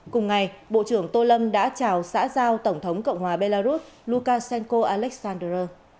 cùng ngày bộ trưởng tô lâm đã chào xã giao tổng thống cộng hòa belarus lukashenko alessander